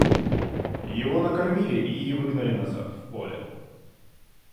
Его накормили и выгнали назад — в поле.